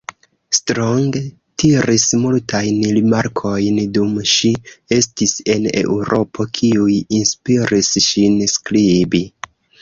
Strong tiris multajn rimarkojn dum ŝi estis en Eŭropo, kiuj inspiris ŝin skribi.